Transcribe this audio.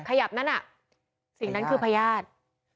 ขยับนั่นน่ะสิ่งนั้นคือพยาธิ